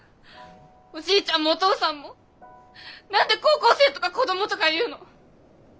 おじいちゃんもお父さんも何で高校生とか子供とか言うの！？